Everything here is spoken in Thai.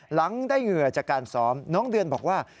หลังได้เหงื่อจากการซ้อมน้องเดือนบอกว่า